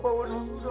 burhan sembuh bu